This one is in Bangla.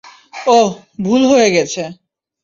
ওহ, ভুল হয়ে গেছে!